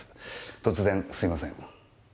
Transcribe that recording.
突然すいません。